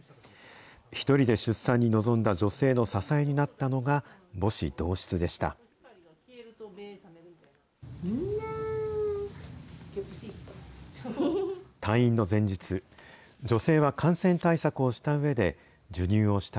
１人で出産に臨んだ女性の支えになったのが、母子同室でした。